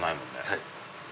はい。